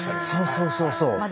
そうそうそうそう。